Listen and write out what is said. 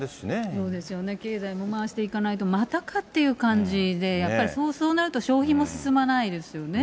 そうですよね、経済も回していかないと、またかっていう感じで、やっぱりそうなると、消費も進まないですよね。